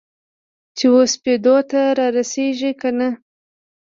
چې وسپېدو ته رارسیږې کنه؟